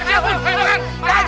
jangan pak jangan pak pak